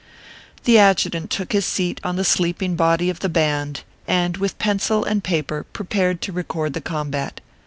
The adjutant took his seat on the sleeping body of the band, and with pencil and paper prepared to record the combat.